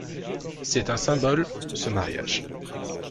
C'est un symbole, ce mariage.